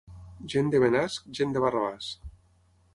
Gent de Benasc, gent de Barrabàs.